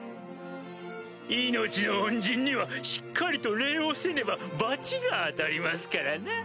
命の恩人にはしっかりと礼をせねば罰が当たりますからな！